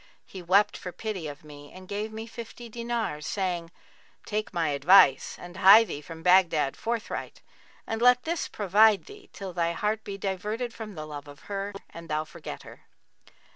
He wept for pity of me and gave me fifty dinars, saying, 'Take my advice and hie thee from Baghdad forthright and let this provide thee till thy heart be diverted from the love of her and thou forget her.